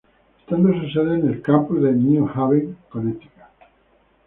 Estando su sede en el campus de New Haven, Connecticut.